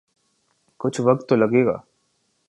کچھ وقت تو لگے گا۔